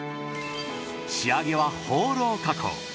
仕上げはホーロー加工。